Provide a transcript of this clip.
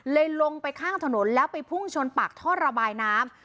ลงไปข้างถนนแล้วไปพุ่งชนปากท่อระบายน้ำ